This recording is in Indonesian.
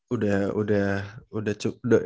udah udah udah cukup